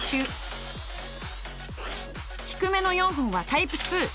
低めの４本はタイプ２。